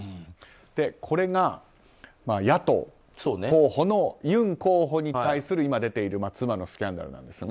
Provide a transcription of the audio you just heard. これが野党候補のユン候補に対する今出ている妻のスキャンダルなんですが。